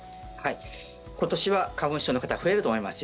今年は花粉症の方増えると思いますよ。